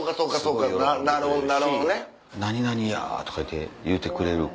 何々や！とかいって言うてくれる。